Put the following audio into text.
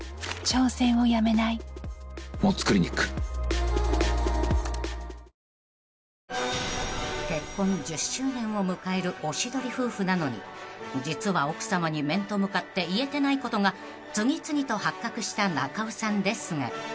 ドランサントリー「翠」［結婚１０周年を迎えるおしどり夫婦なのに実は奥さまに面と向かって言えてないことが次々と発覚した中尾さんですが］